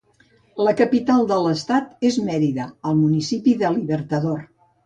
La capital de l'estat és Mérida, al municipi de Libertador.